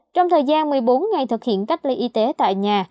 trong thời gian một mươi bốn ngày thực hiện cách ly y tế tại nhà